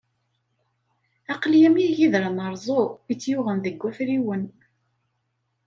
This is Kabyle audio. Aql-i am yigider amerẓu i tt-yuɣen deg wafriwen.